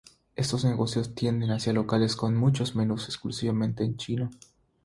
Estos negocios tienden hacia locales con muchos menús exclusivamente en chino.